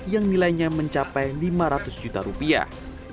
yang nilainya mencapai lima ratus juta rupiah